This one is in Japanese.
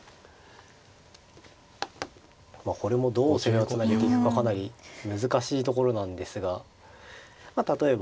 これもどう攻めをつなげていくかかなり難しいところなんですが例えば４五桂と。